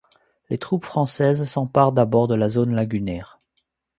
Les troupes françaises s'emparent d'abord de la zone lagunaire.